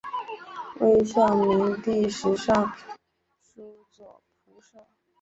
魏孝明帝时尚书左仆射。